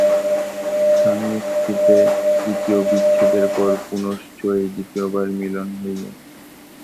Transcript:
স্বামিস্ত্রীতে দ্বিতীয় বিচ্ছেদের পর পুনশ্চ এই দ্বিতীয়বার মিলন হইল।